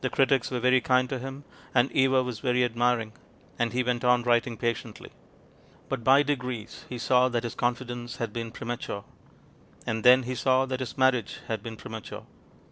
The critics were very kind to liim, and Eva was very admiring; and he went on writing patiently. But by de grees he saw that his confidence had been prema ture. And then he saw that his marriage had been premature.